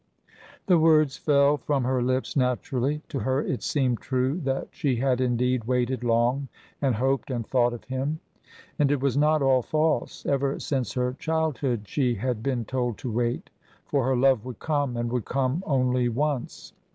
The words fell from her lips naturally. To her it seemed true that she had indeed waited long and hoped and thought of him. And it was not all false. Ever since her childhood she had been told to wait, for her love would come and would come only once.